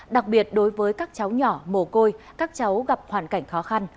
đặc biệt đối với các cháu nhỏ mồ côi các cháu gặp hoàn cảnh khó khăn